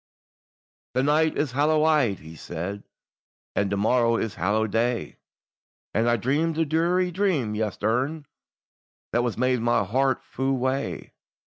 "This night is hallow eve," he said, "And to morrow is hallow day; And I dreamed a drearie dream yestreen, That has made my heart fu' wae.